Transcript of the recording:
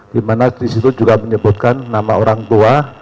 di mana disitu juga menyebutkan nama orang tua